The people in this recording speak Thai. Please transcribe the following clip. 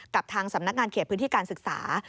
กับทางสำนักงานเขตพื้นที่การศึกษา